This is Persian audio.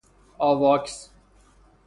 آواکس